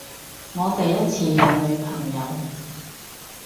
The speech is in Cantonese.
我第一次有女朋友